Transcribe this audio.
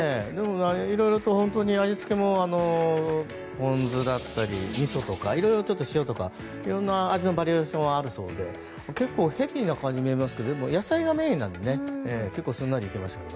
いろいろと、味付けもポン酢だったり、みそとかいろいろ、塩とかいろんな味のバリエーションがあるそうで結構ヘビーな感じに見えますけど野菜がメインなので結構、すんなりいけましたけど。